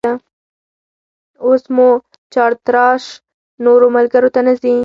اوس مو چارتراش نورو ملکو ته نه ځي